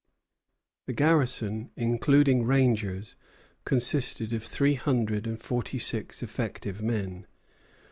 The garrison, including rangers, consisted of three hundred and forty six effective men.